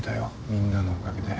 みんなのおかげで。